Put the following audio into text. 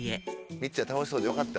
みっちゃん楽しそうでよかった。